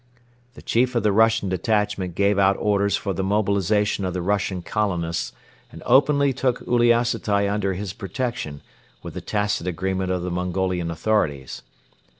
The chief of the Russian detachment gave out orders for the mobilization of the Russian colonists and openly took Uliassutai under his protection with the tacit agreement of the Mongolian authorities.